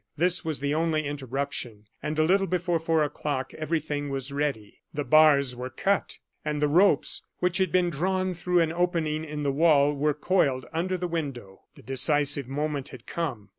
This was the only interruption, and a little before four o'clock everything was ready. The bars were cut, and the ropes, which had been drawn through an opening in the wall, were coiled under the window. The decisive moment had come.